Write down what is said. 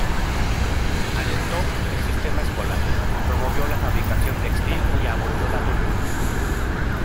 Alentó el sistema escolar, promovió la fabricación textil y abolió la tortura.